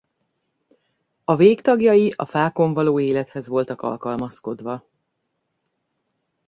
A végtagjai a fákon való élethez voltak alkalmazkodva.